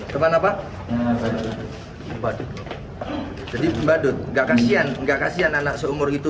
terus habis itu